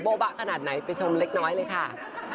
บะขนาดไหนไปชมเล็กน้อยเลยค่ะ